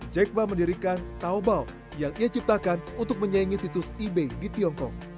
jack memendirikan taobao yang ia ciptakan untuk menyaingi situs ebay di tiongkok